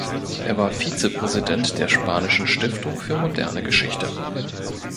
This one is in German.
Er war Vizepräsident der spanischen Stiftung für moderne Geschichte.